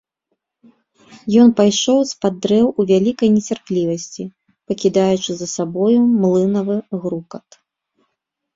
Ён пайшоў з-пад дрэў у вялікай нецярплівасці, пакідаючы за сабою млынавы грукат.